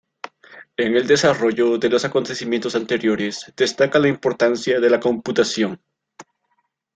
En el desarrollo de los acontecimientos anteriores, destaca la importancia de la computación.